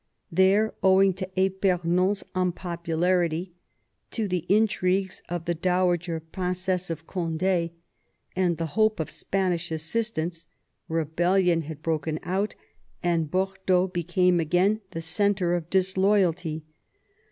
There, owing to Epernon's unpopularity, to the intrigues of the dowager Princess of Cond^, and the hope of Spanish assistance, rebellion had broken out, and Bordeaux became again the centre of disloyalty.